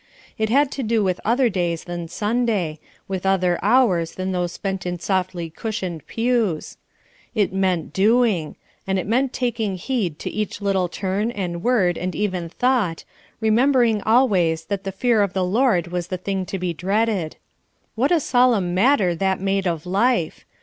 It had to do with other days than Sunday, with other hours than those spent in softly cushioned pews. It meant doing, and it meant taking heed to each little turn and word and even thought, remembering always that the fear of the Lord was the thing to be dreaded. What a solemn matter that made of life!